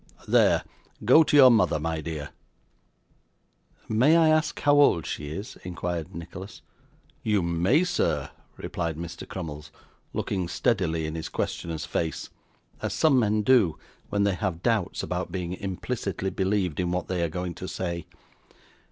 There; go to your mother, my dear.' 'May I ask how old she is?' inquired Nicholas. 'You may, sir,' replied Mr. Crummles, looking steadily in his questioner's face, as some men do when they have doubts about being implicitly believed in what they are going to say.